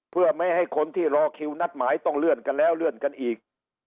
เพื่อไม่ให้คนที่รอคิวนัดหมายต้องเลื่อนกันแล้วเลื่อนกันอีก